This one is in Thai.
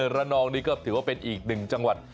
ระนองนี่ก็ถือว่าเป็นอีกหนึ่งจังหวัด